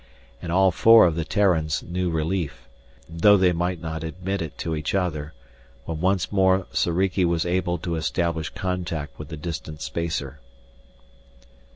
And all four of the Terrans knew relief, though they might not admit it to each other, when once more Soriki was able to establish contact with the distant spacer.